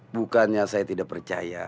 bukannya saya tidak percaya